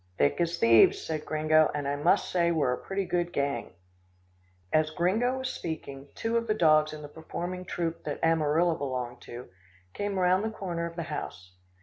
"Thick as thieves," said Gringo, "and I must say we're a pretty good gang." As Gringo was speaking, two of the dogs in the performing troupe that Amarilla belonged to, came round the corner of the house.